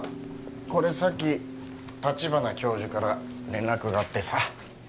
これさっき立花教授から連絡があってさ